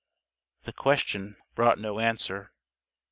The question brought no answer.